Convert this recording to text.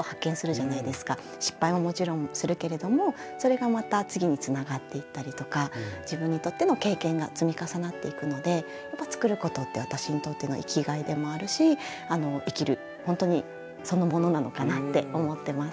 失敗ももちろんするけれどもそれがまた次につながっていったりとか自分にとっての経験が積み重なっていくのでやっぱ作ることって私にとっての生きがいでもあるし生きるほんとにそのものなのかなって思ってます。